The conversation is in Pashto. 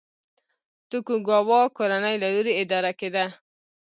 توکوګاوا کورنۍ له لوري اداره کېده.